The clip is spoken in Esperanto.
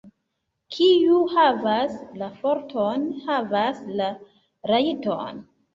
Kiu havas la forton, havas la rajton.